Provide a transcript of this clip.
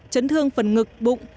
chấn thương phần ngực bụng